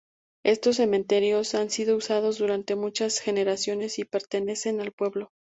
Estos cementerios han sido usados durante muchas generaciones y pertenecen al pueblo.